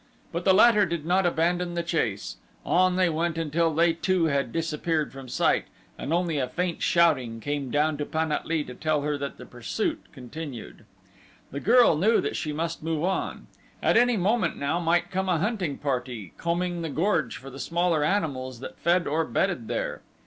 But the latter did not abandon the chase. On they went until they too had disappeared from sight and only a faint shouting came down to Pan at lee to tell her that the pursuit continued. The girl knew that she must move on. At any moment now might come a hunting party, combing the gorge for the smaller animals that fed or bedded there.